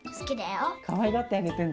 かわいがってあげてんだ。